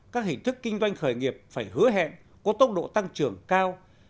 các hình thức kinh doanh khởi nghiệp phải hứa hẹn có tốc độ tăng trưởng cao